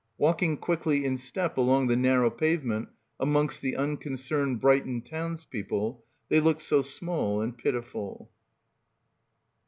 Walking quickly in step along the narrow pavement amongst the uncon cerned Brighton townspeople they looked so small and pitiful.